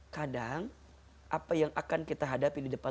kadang apa yang akan kita hadapi di depan